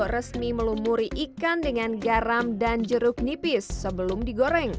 resmi melumuri ikan dengan garam dan jeruk nipis sebelum digoreng